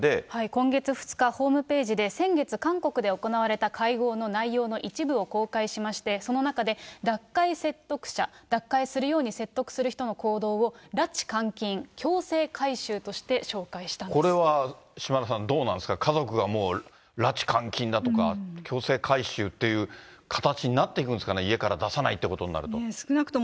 今月２日、ホームページで先月韓国で行われた会合の内容の一部を公開しまして、その中で、脱会説得者、脱会するように説得する人の行動を、拉致監禁、これは、島田さん、どうなんですか、家族がもう、拉致監禁だとか、強制改宗っていう形になっていくんですかね、家から出さないということになってくると。